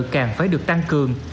càng phải được tăng cường